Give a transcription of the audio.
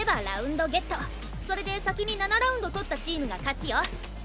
それで先に７ラウンド取ったチームが勝ちよ。